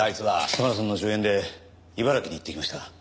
沙村さんの助言で茨城に行ってきました。